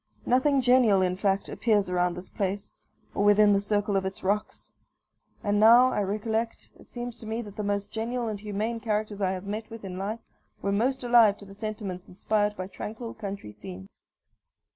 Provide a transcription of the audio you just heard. Nothing genial, in fact, appears around this place, or within the circle of its rocks. And, now I recollect, it seems to me that the most genial and humane characters I have met with in life were most alive to the sentiments inspired by tranquil country scenes.